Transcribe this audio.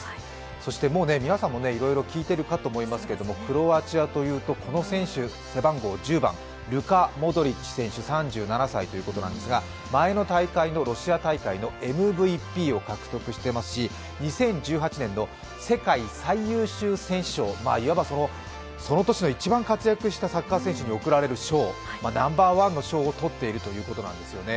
そしてもう皆さんもいろいろ聞いているかと思いますがクロアチアというと、この選手背番号１０番、ルカ・モドリッチ選手３７歳ということなんですが、前の大会のロシア大会ＭＶＰを獲得していますし、２０１８年の世界最優秀選手賞、いわばその年の一番活躍したサッカー選手に贈られる賞、ナンバーワンの賞を取っているということなんです。